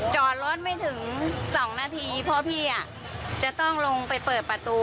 จอดรถไม่ถึง๒นาทีเพราะพี่จะต้องลงไปเปิดประตู